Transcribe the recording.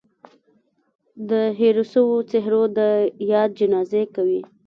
د هېرو سوو څهرو د ياد جنازې کوي